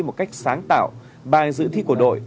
một cách sáng tạo bài dự thi của đội